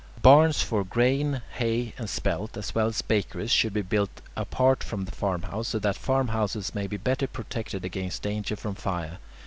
Barns for grain, hay, and spelt, as well as bakeries, should be built apart from the farmhouse, so that farmhouses may be better protected against danger from fire.